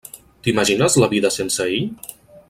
T'imagines la vida sense ell?